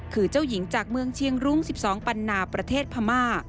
คือเจ้าหญิงจากเมืองเชียงรุ้ง๑๒ปันนาประเทศพม่า